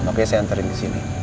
makanya saya anterin disini